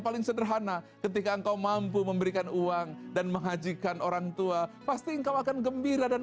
paling sederhana ketika kau mampu memberikan uang dan menghajikan orangtua pasti kau akan gembira dan